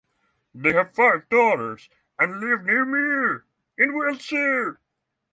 They have five daughters and live near Mere in Wiltshire.